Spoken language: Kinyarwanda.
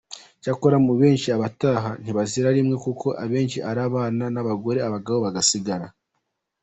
Cyakora abenshi mu bataha ntibazira rimwe kuko abenshi ari abana n’abagore, abagabo bagasigara.